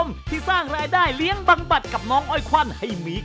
นี่คืออะไรคะเครื่องนี้